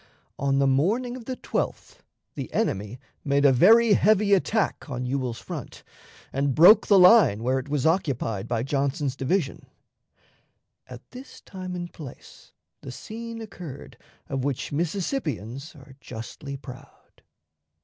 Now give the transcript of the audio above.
On the morning of the 12th the enemy made a very heavy attack on Ewell's front, and broke the line where it was occupied by Johnson's division. At this time and place the scene occurred of which Mississippians are justly proud.